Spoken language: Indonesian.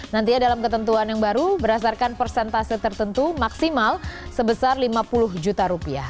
nantinya dalam ketentuan yang baru berdasarkan persentase tertentu maksimal sebesar lima puluh juta rupiah